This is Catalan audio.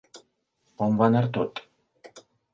On va anar tot?